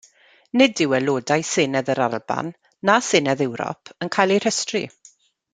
Nid yw Aelodau Senedd yr Alban na Senedd Ewrop yn cael eu rhestru.